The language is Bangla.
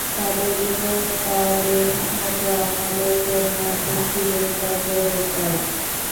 তাদের দেবতাদের মত আমাদের জন্যেও একটি দেবতা গড়ে দাও।